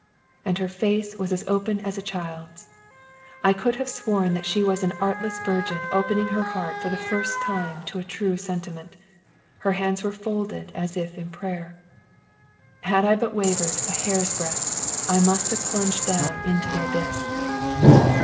And her face was as open as a child's. I could have sworn that she was an artless virgin opening her heart for the first time to a true sentiment. Her hands were folded as if in prayer. Had I wavered but a hair's breadth, I must have plunged down into the abyss.